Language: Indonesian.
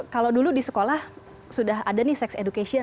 kalau dulu di sekolah sudah ada nih sex education